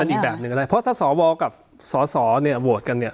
อีกแบบหนึ่งก็ได้เพราะถ้าสวกับสสเนี่ยโหวตกันเนี่ย